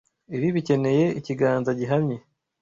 Ibi bikeneye ikiganza gihamye.